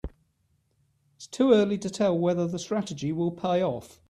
Its too early to tell whether the strategy will pay off.